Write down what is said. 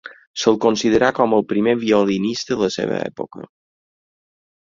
Se'l considerà com el primer violinista de la seva època.